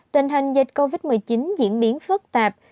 tình hình dịch covid một mươi chín diễn biến phức tạp